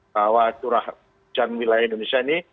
bahwa curah hujan wilayah indonesia ini